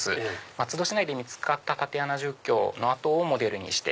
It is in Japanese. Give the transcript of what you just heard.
松戸市内で見つかった竪穴住居の跡をモデルにして。